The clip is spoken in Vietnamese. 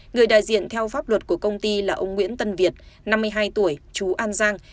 người đại diện theo pháp luật của công ty là ông nguyễn tân việt năm mươi hai tuổi chú an giang